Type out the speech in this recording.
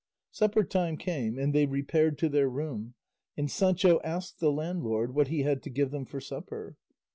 Supper time came, and they repaired to their room, and Sancho asked the landlord what he had to give them for supper.